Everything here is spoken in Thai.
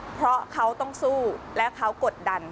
เพราะเขาต้องสู้และเขากดดัน